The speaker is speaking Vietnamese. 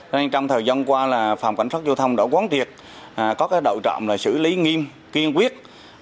nên trong thời gian qua là phòng cảnh sát giao thông đã quán thiệt có cái độ trọng là xử lý nghiêm kiên quyết